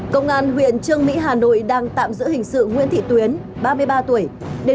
công an huyện trương mỹ hà nội đang tạm giữ hình sự nguyễn thị tuyến ba mươi ba tuổi